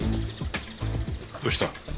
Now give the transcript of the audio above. どうした？